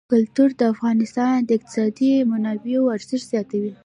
کلتور د افغانستان د اقتصادي منابعو ارزښت زیاتوي.